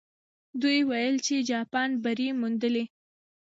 دوی وویل چې جاپان بری موندلی.